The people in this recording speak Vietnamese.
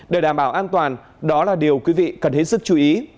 để đảm bảo an toàn đó là điều quý vị cần hết sức chú ý